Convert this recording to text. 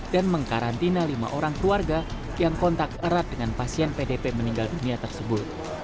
dan mengkarantina lima orang keluarga yang kontak erat dengan pasien pdb meninggal dunia tersebut